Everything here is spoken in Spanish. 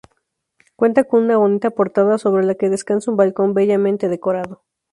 Cuenta con una bonita portada sobre la que descansa un balcón bellamente decorado.